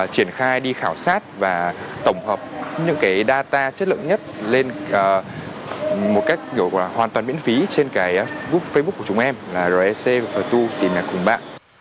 triển khai đi khảo sát và tổng hợp những cái data chất lượng nhất lên một cách kiểu hoàn toàn miễn phí trên cái book facebook của chúng em là rec rto tìm nhà cùng bạn